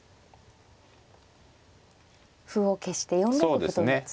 歩を消して４六歩と打つと。